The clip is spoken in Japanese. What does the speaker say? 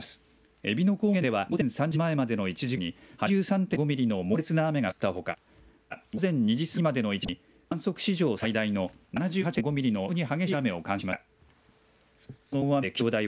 えびの高原では、午前３時前までの１時間に、８３．５ミリの猛烈な雨が降ったほか、小林市では、午前２時過ぎまでの１時間に、観測史上最大の７８．５ミリの非常に激しい雨を観測しました。